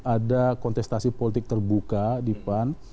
ada kontestasi politik terbuka di pan